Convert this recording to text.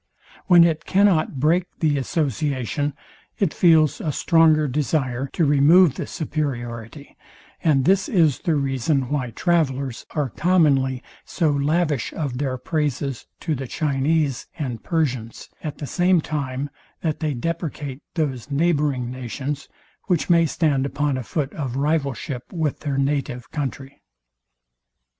When it cannot break the association, it feels a stronger desire to remove the superiority; and this is the reason why travellers are commonly so lavish of their praises to the Chinese and Persians, at the same time, that they depreciate those neighbouring nations, which may stand upon a foot of rivalship with their native country.